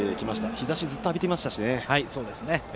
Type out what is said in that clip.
日ざしをずっと浴びていましたし。